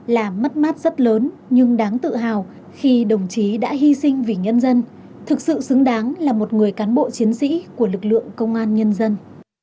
là mất mát rất lớn nhưng đáng tự hào khi đồng chí đã hy sinh vì nhân dân thực sự xứng đáng là một người cán bộ chiến sĩ của lực lượng công an nhân dân